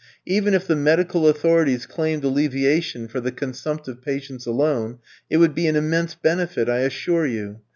Even if the medical authorities claimed alleviation for the consumptive patients alone, it would be an immense benefit, I assure you.